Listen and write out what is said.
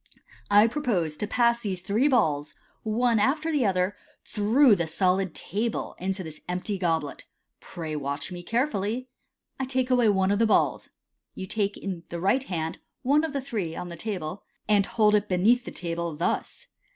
I propose to pass these three balls, one after the other, through the solid table into this empty goblet. Pray watch me carefully. I take away one of the balls (you take in the right hand one of the three on the table), " and hold it beneath the table, thus.